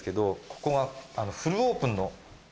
ここがフルオープンの。